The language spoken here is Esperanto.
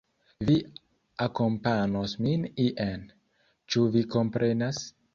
Vi akompanos min ien. Ĉu vi komprenas?